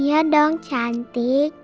iya dong cantik